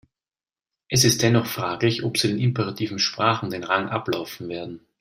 Es ist dennoch fraglich, ob sie den imperativen Sprachen den Rang ablaufen werden.